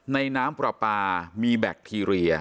น้ำปลาปลามีแบคทีเรีย